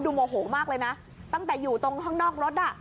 โมโหมากเลยนะตั้งแต่อยู่ตรงข้างนอกรถอ่ะ